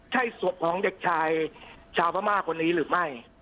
ใช่ศพของเด็กชายชาวพม่าคนนี้หรือไม่